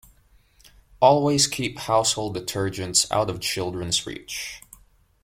Always keep household detergents out of children's reach.